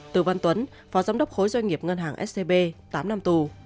từ văn tuấn phó giám đốc khối doanh nghiệp ngân hàng scb tám năm tù